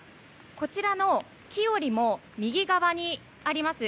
こちらの木よりも右側にあります